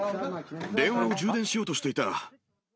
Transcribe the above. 電話を充電しようとしていた。